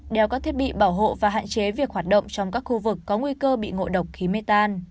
đeo các thiết bị bảo hộ và hạn chế việc hoạt động trong các khu vực có nguy cơ bị ngộ độc khí mê tan